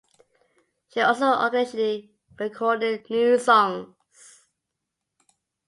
She also occasionally recorded new songs.